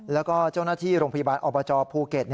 แล้วก็เจ้าหน้าที่โรงพยาบาลอบจภูเก็ต